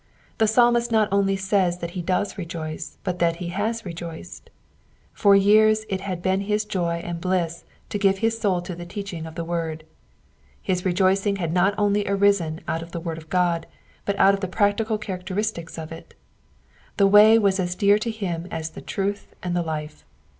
The Psalmist not only says that he does rejoice, but that he has rejoiced. For years it had been his joy and bliss to give his soul to the teaching of the word. His rejoicing had not onl^ arisen out of the word of God, but out of the practical characteristics of it. The Way was as dear to him as the Truth and the Life.